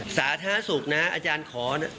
สาธารณสุขนะอาจารย์ขอ